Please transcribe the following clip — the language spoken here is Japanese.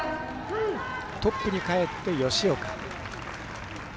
トップにかえって、吉岡。